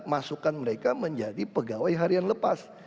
masukkan mereka menjadi pegawai harian lepas